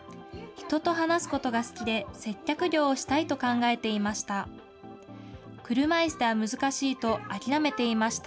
人と話すことが好きで、接客業をしたいと考えていました。